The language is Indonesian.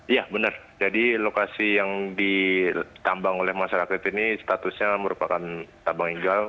iya benar jadi lokasi yang ditambang oleh masyarakat ini statusnya merupakan tambang ilegal